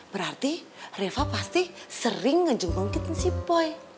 berarti reva pasti sering ngejengukin si boy